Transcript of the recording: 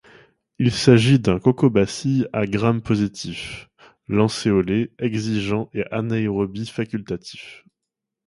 Il s'agit d'un coccobacille à Gram positif, lancéolé, exigeant et anaérobie facultatif.